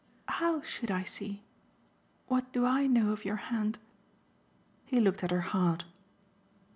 "How should I see? What do I know of your hand?" He looked at her hard.